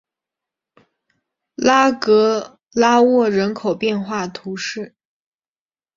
拉格拉沃人口变化图示